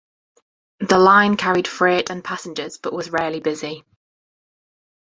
The line carried freight and passengers but was rarely busy.